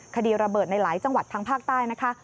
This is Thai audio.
คดีระเบิดในหลายจังหวัดทางภาคใต้นะคะ